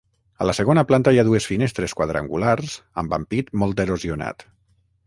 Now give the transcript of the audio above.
A la segona planta hi ha dues finestres quadrangulars amb ampit molt erosionat.